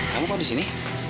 kamu kok disini